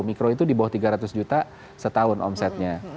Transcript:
mikro itu di bawah tiga ratus juta setahun omsetnya